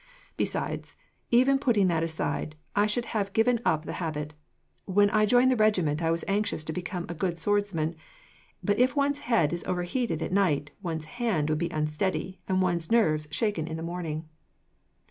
Besides, even putting that aside, I should have given up the habit. When I joined the regiment, I was anxious to become a good swordsman, but if one's head is overheated at night, one's hand would be unsteady and one's nerves shaken in the morning.